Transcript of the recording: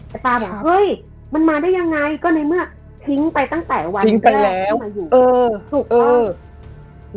แต่ตาบอกเฮ้ยมันมาได้ยังไงก็ในเมื่อทิ้งไปตั้งแต่วันที่แล้วมาอยู่ถูกต้อง